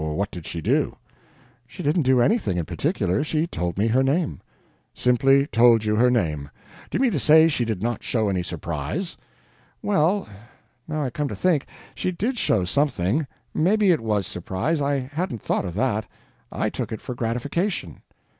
What did she do?" "She didn't do anything in particular. She told me her name." "Simply told you her name. Do you mean to say she did not show any surprise?" "Well, now I come to think, she did show something; maybe it was surprise; I hadn't thought of that I took it for gratification."